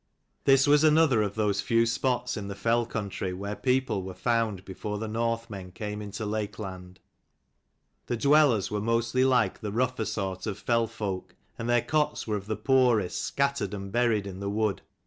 This was another of those few spots in the fell country where people were found before the Northmen came into Lakeland. The dwellers were mostly like the rougher sort of fell folk, and their cots were of the poorest, scattered, and buried in wood.